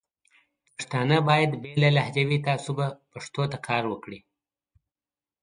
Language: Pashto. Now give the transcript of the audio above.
پښتانه باید بې له لهجوي تعصبه پښتو ته کار وکړي.